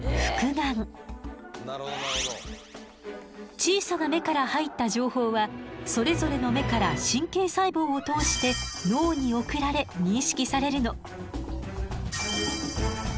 小さな目から入った情報はそれぞれの目から神経細胞を通して脳に送られ認識されるの。